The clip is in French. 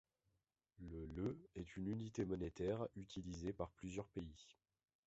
Le leu est une unité monétaire utilisée par plusieurs pays.